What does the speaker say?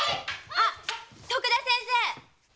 あ徳田先生！